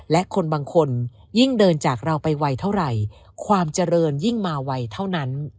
และคนบางคนยิ่งเดินจากเราไปไวเท่าไหร่ความเจริญยิ่งมาไวเท่านั้น